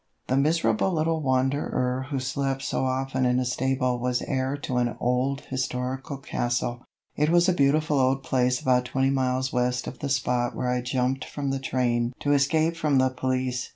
The miserable little wanderer who slept so often in a stable was heir to an old historical castle. It is a beautiful old place about twenty miles west of the spot where I jumped from the train to escape from the police.